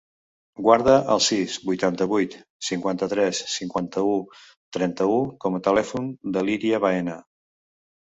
Guarda el sis, vuitanta-vuit, cinquanta-tres, cinquanta-u, trenta-u com a telèfon de l'Iria Baena.